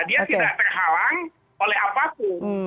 dia tidak terhalang oleh apapun